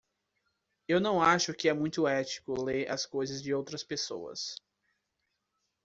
Eu não acho que é muito ético ler as coisas de outras pessoas.